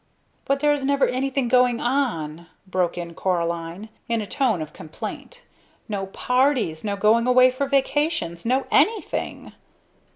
"But there is never anything going on," broke in Coraline, in a tone of complaint; "no parties, no going away for vacations, no anything."